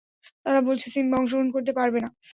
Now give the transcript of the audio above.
তারা বলছে, সিম্বা অংশগ্রহণ করতে পারবে না।